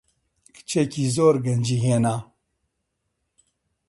کچێکی زۆر گەنجی هێنا.